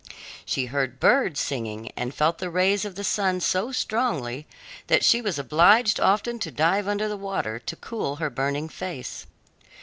She heard birds singing and felt the rays of the sun so strongly that she was obliged often to dive under the water to cool her burning face.